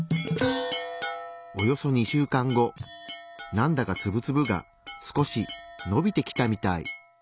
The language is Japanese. なんだかツブツブが少しのびてきたみたい。